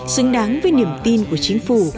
xứng đáng với niềm tin của chính phủ